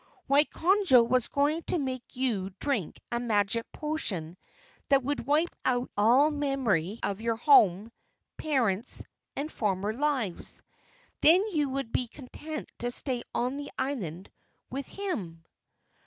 "Why, Conjo was going to make you drink a magic potion that would wipe out all memory of your home, parents, and former lives. Then you would be content to stay on the island with him."